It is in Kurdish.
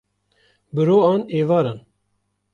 bi ro an êvaran